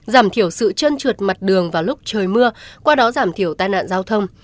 giảm thiểu sự chân trượt mặt đường vào lúc trời mưa qua đó giảm thiểu tai nạn giao thông